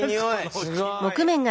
すごい！